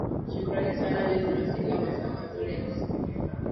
shukrani sana liz masinga wasaa mzuri wa kusikiliza